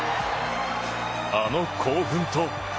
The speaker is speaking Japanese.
あの興奮と。